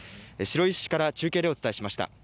白石市から中継でお伝えしました。